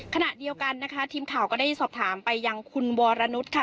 ขณะเดียวกันนะคะทีมข่าวก็ได้สอบถามไปยังคุณวรนุษย์ค่ะ